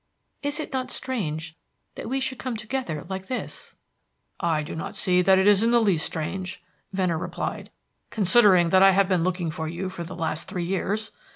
Is it not strange that we should come together like this?" "I do not see that it is in the least strange," Venner replied, "considering that I have been looking for you for the last three years.